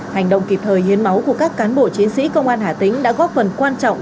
hành động kịp thời hiến máu của các cán bộ chiến sĩ công an hà tĩnh đã góp phần quan trọng